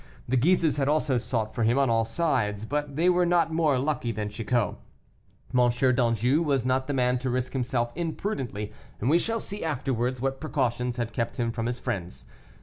The Guises had also sought for him on all sides, but they were not more lucky than Chicot. M. d'Anjou was not the man to risk himself imprudently, and we shall see afterwards what precautions had kept him from his friends.